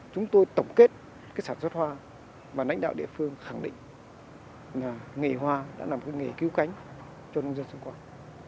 chúng tôi tổng kết sản xuất hoa và lãnh đạo địa phương khẳng định nghề hoa đã là một nghề cứu cánh cho nông dân xung quanh